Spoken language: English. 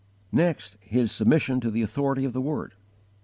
16. His submission to the _authority of the Word.